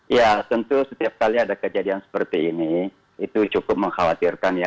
ya tentu setiap kali ada kejadian seperti ini itu cukup mengkhawatirkan ya